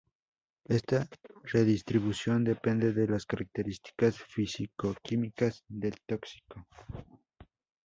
Esta redistribución depende de las características fisicoquímicas del tóxico.